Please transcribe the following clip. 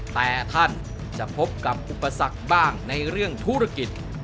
แต่ท่านจะพบกับอุปสรรคบ้างในเรื่องธุรกิจ